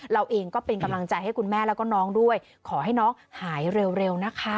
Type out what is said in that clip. เราเองก็เป็นกำลังใจให้คุณแม่แล้วก็น้องด้วยขอให้น้องหายเร็วนะคะ